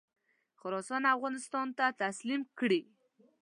خراسان افغانستان ته تسلیم کړي.